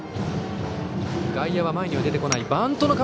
外野は前に出てこない。